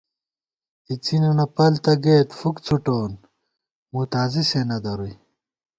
اِڅِنَنَہ پَل تہ گَئیت، فُک څُھٹَوون مُتازِی سے نہ درُوئی